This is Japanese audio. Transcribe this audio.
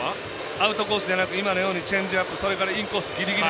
アウトコースではなく今のようにチェンジアップそれからインコースギリギリ。